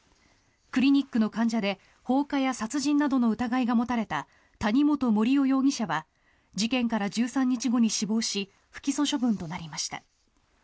クリニックの患者で放火や殺人などの疑いが持たれた谷本盛雄容疑者は事件から１３日後に死亡し不起訴処分となりました。